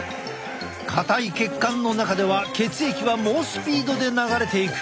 硬い血管の中では血液は猛スピードで流れていく。